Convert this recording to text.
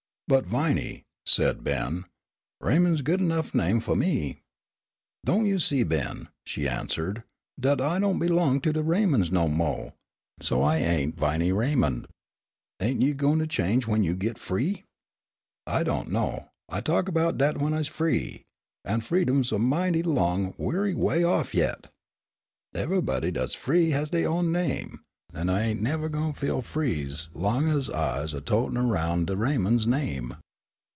"But, Viney," said Ben, "Raymond's good enough name fu' me." "Don' you see, Ben," she answered, "dat I don' belong to de Raymonds no mo', so I ain' Viney Raymond. Ain' you goin' change w'en you git free?" "I don' know. I talk about dat when I's free, and freedom's a mighty long, weary way off yet." "Evahbody dat's free has dey own name, an' I ain' nevah goin' feel free's long ez I's a totin' aroun' de Raymonds' name."